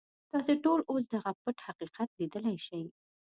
تاسې ټول اوس دغه پټ حقیقت ليدلی شئ.